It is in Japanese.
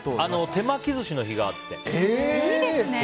手巻き寿司の日があって。